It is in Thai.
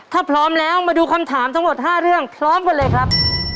ถ้าพร้อมแล้วมาดูคำถามทั้งหมด๕เรื่องพร้อมกันเลยครับ